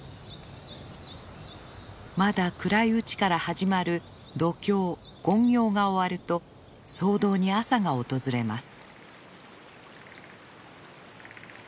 まだ暗いうちから始まる読経勤行が終わると僧堂に朝が訪れます。